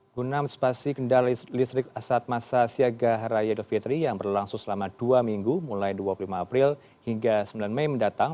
guna mespasi kendala listrik saat masa siaga hari raya idul fitri yang berlangsung selama dua minggu mulai dua puluh lima april hingga sembilan mei mendatang